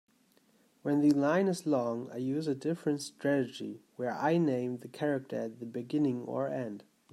When the line is long, I use a different strategy where I name the character at the beginning or end.